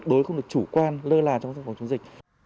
đối không được chủ quan lơ là trong phòng chống dịch